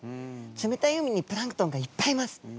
冷たい海にプランクトンがいっぱいいます。